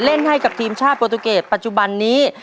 เล่นให้กับทีมชาติโปรตูเกตปัจจุบันนี้